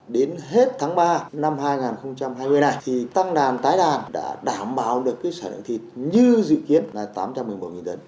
đến hết tháng ba năm hai nghìn hai mươi này tăng đàn tái đàn đã đảm bảo được sản lượng thịt như dự kiến là tám trăm một mươi một tấn